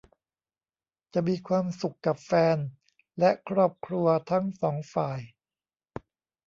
จะมีความสุขกับแฟนและครอบครัวทั้งสองฝ่าย